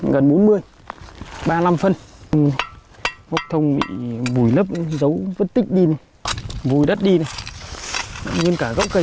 gần bốn mươi ba mươi năm phân gốc thông bị mùi nấp giấu vất tích đi mùi đất đi nguyên cả gốc cây